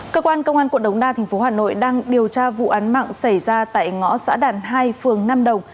cơ quan công an tp hcm đang điều tra vụ án mạng xảy ra tại ngõ xã đàn hai phường nam đồng